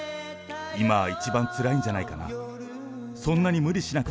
今は一番つらいんじゃないかな。